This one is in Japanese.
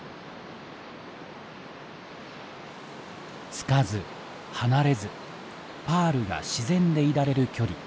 つかず離れずパールが自然でいられる距離。